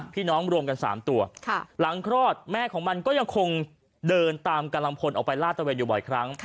รวมกัน๓ตัวหลังคลอดแม่ของมันก็ยังคงเดินตามกำลังพลออกไปลาดตะเวนอยู่บ่อยครั้ง